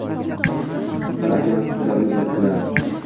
Bir akamiz qizlarini uzatdilar.